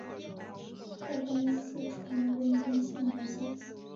后官四川温江县知县。